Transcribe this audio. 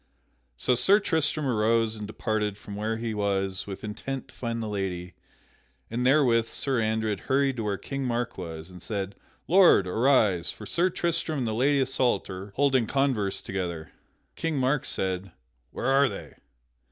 So Sir Tristram arose and departed from where he was with intent to find the lady; and therewith Sir Andred hurried to where King Mark was, and said: "Lord, arise, for Sir Tristram and the Lady Isoult are holding converse together." King Mark said, "Where are they?"